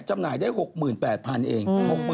จำหน่ายได้๖๘๐๐๐เอง